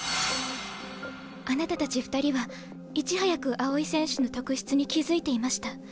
あなたたち２人はいち早く青井選手の特質に気付いていました。